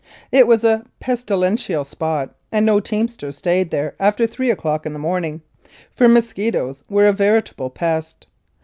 It was a pestilential spot, and no teamster stayed there after three o'clock in the morning, for mosquitoes were a veritable pest.